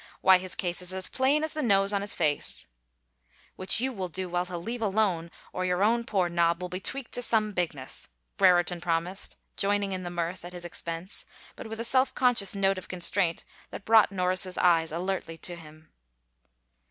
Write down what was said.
Why, his case is as plain as the nose on his face !"" Which you will do well to leave alone or your own poor nob will be tweaked to some bigness," Brereton promised, joining in the mirth at his expense, but with a self conscious note of constraint that brought Norris's eyes alertly to him.